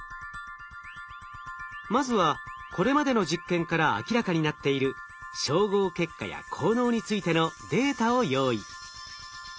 まずはこれまでの実験から明らかになっている照合結果や効能についてのデータを用意。